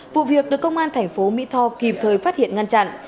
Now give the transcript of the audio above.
vụ việc được công an tp mỹ tho kịp thời phát hiện ngăn chặn